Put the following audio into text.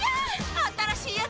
新しいやつ！